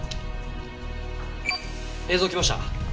映像来ました。